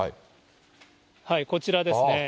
こちらですね。